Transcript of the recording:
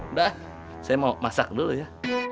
udah saya mau masak dulu ya